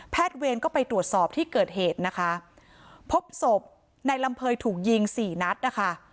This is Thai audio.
เวรก็ไปตรวจสอบที่เกิดเหตุนะคะพบศพนายลำเภยถูกยิงสี่นัดนะคะ